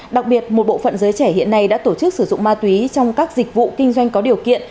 đặc biệt một bộ phận giới trẻ hiện nay đã tổ chức sử dụng ma túy trong các dịch vụ kinh doanh có điều kiện